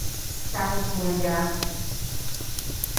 সাহস নিয়ে যা।